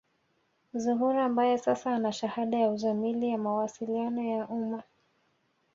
Zuhura ambaye sasa ana shahada ya uzamili ya mawasiliano ya umma